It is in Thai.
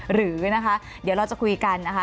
หรือนะคะเดี๋ยวเราจะคุยกันนะคะ